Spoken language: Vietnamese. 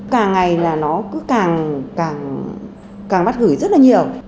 càng ngày nó càng bắt gửi rất nhiều